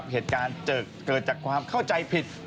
เหตุการณ์เกิดจากความเข้าใจผิด